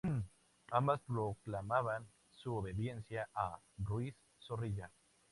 Ambas proclamaban su obediencia a Ruiz Zorrilla.